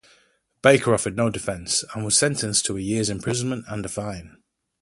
Baker offered no defence, and was sentenced to a year's imprisonment and a fine.